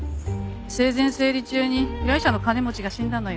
生前整理中に依頼者の金持ちが死んだのよ。